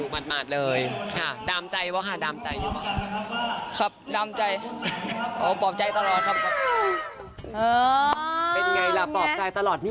เป็นไงล่ะปอบใจตลอด